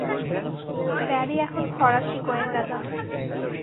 Barry এখন ফরাসি গোয়েন্দা দলে।